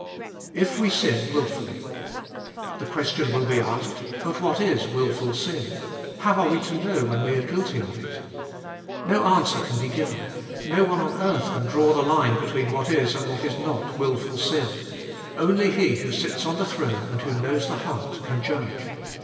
If we sin wilfully. The question will be asked, But what is wilful sin? How are we to know when we are guilty of it? No answer can be given ; no one on earth can draw the line between what is and what is not wilful sin. Only He who sits on the throne, and who knows the heart, can judge.